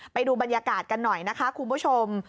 ไปดูบรรยากาศกันหน่อยนะคะคุณผู้ชม